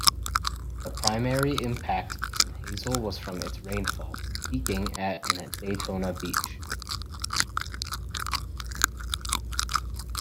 The primary impact from Hazel was from its rainfall, peaking at in Daytona Beach.